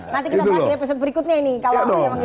nanti kita bahas di episode berikutnya ini